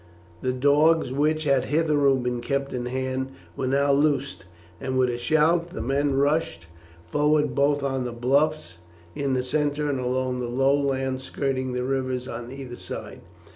The dogs, which had hitherto been kept in hand, were now loosed, and with a shout the men rushed forward both on the bluffs in the centre and along the low land skirting the rivers on either side.